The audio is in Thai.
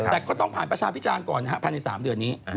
แต่ก็ต้องผ่านประชาติพิจารณ์ก่อนนะคะพันธุ์๓เดือนนี้